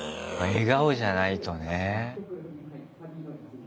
笑顔じゃないとね。